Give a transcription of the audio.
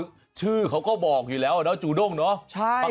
คือชื่อเขาก็บอกอยู่แล้วเนาะจูด้งเนาะ